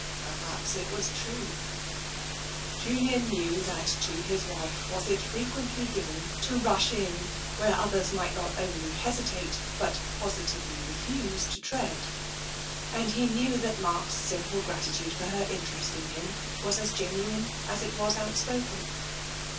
Perhaps it was true. Julian knew that to his wife was it frequently given to rush in where others might not only hesitate, but positively refuse, to tread, and he knew that Mark's simple gratitude for her interest in him was as genuine as it was outspoken.